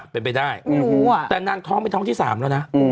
เป็นไปได้แต่นางท้องเป็นท้องที่๓แล้วนะ